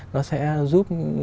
nó sẽ giúp